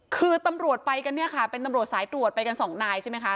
คือตำรวจไปกันเนี่ยค่ะเป็นตำรวจสายตรวจไปกันสองนายใช่ไหมคะ